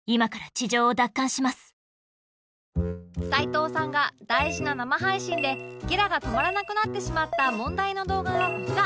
齊藤さんが大事な生配信でゲラが止まらなくなってしまった問題の動画がこちら